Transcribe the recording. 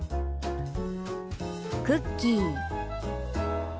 「クッキー」。